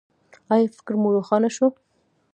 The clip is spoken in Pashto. ایا فکر مو روښانه شو؟